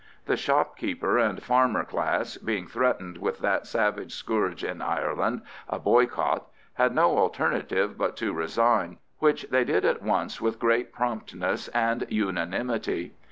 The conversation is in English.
The shopkeeper and farmer class, being threatened with that savage scourge in Ireland, a boycott, had no alternative but to resign, which they did at once with great promptness and unanimity.